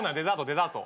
デザート。